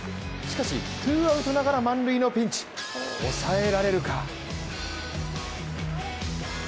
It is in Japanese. しかし、ツーアウトながら満塁のピンチ、抑えられるか。